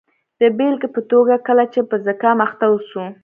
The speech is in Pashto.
د بیلګې په توګه کله چې په زکام اخته اوسو.